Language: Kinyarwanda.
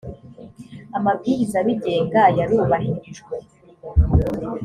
amabwiriza abigenga yarubahirijwe .